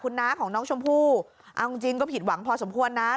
คุณน้าชมพู้ทำจริงก็ผิดหวังพอที่เป็นความซวยเนาะ